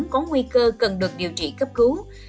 có nguy cơ cần được điều trị cấp cứu